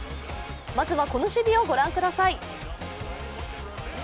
まずはこの守備をご覧ください。